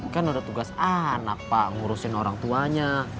kan ada tugas anak pak ngurusin orang tuanya